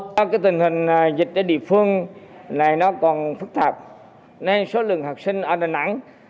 trong tình hình dịch ở địa phương này nó còn phức tạp nên số lượng học sinh ở đà nẵng